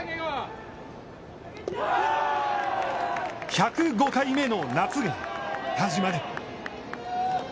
１０５回目の夏が始まる。